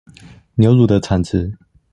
牛乳的產值